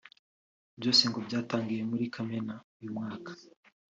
Byose ngo byatangiye muri Kamena uyu mwaka